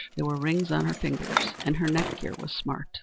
There were rings on her fingers, and her neck gear was smart.